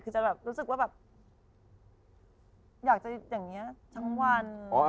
คือจะแบบรู้สึกว่าแบบอยากจะอย่างนี้ทั้งวัน